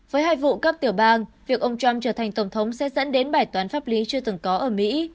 với hai vụ cấp tiểu bang việc ông trump trở thành tổng thống sẽ dẫn đến bài toán pháp lý chưa từng có ở mỹ